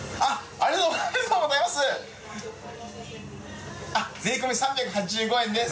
ありがとうございます！